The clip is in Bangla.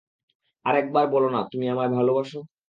আরেকবার বলো না, তুমি আমায় ভালবাসো।